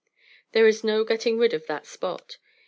There is no getting rid of that Spot.